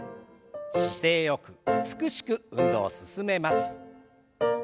姿勢よく美しく運動を進めます。